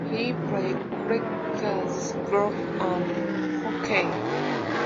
He plays cricket, golf and hockey.